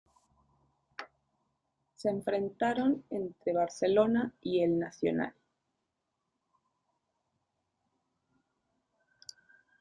Se enfrentaron entre Barcelona y El Nacional.